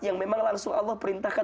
yang memang langsung allah perintahkan